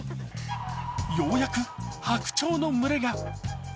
ようやく白鳥の群れが。